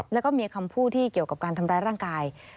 แล้วก็มีคำพูดที่เกี่ยวกับการทำร้ายร่างกาย